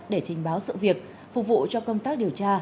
để trình báo sự việc phục vụ cho công tác điều tra